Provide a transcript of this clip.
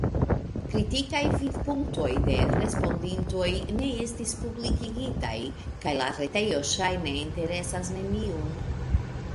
Kritikaj vidpunktoj de respondintoj ne estis publikigitaj, kaj la retejo ŝajne interesas neniun.